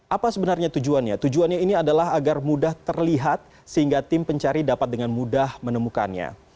apa sebenarnya tujuannya tujuannya ini adalah agar mudah terlihat sehingga tim pencari dapat dengan mudah menemukannya